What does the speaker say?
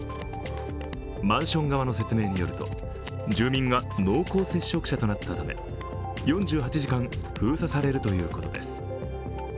マンション側の説明になると、住民が濃厚接触者となったため、４８時間、封鎖されるということです。